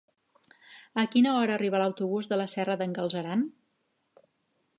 A quina hora arriba l'autobús de la Serra d'en Galceran?